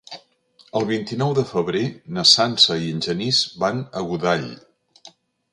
El vint-i-nou de febrer na Sança i en Genís van a Godall.